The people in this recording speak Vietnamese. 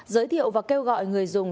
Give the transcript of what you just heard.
giới thiệu và kêu gọi người dùng